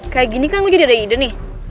kayak gini kan gue jadi ada ide nih